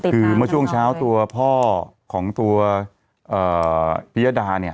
คือเมื่อช่วงเช้าตัวพ่อของตัวพิยดาเนี่ย